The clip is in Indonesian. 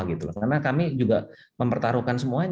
karena kami juga mempertaruhkan semuanya